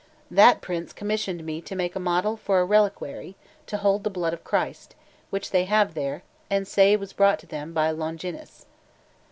That Prince commissioned me to make a model for a reliquary, to hold the blood of Christ, which they have there, and say was brought them by Longinus.